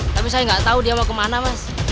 tapi saya gak tau dia mau kemana mas